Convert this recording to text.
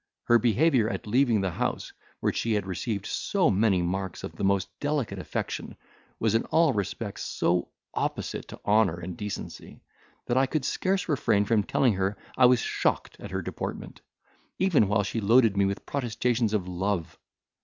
Her behaviour, at leaving the house where she had received so many marks of the most delicate affection, was in all respects so opposite to honour and decency, that I could scarce refrain from telling her I was shocked at her deportment, even while she loaded me with protestations of love.